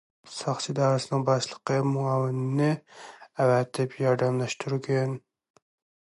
ساقچى ئىدارىسىنىڭ باشلىقى مۇئاۋىنىنى ئەۋەتىپ ياردەملەشتۈرگەن.